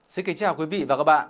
xin kính chào quý vị và các bạn